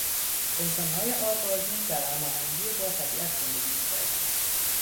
انسانهای آغازین در هماهنگی با طبیعت زندگی میکردند.